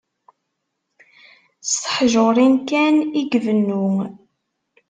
S teḥjurin kan i ibennu.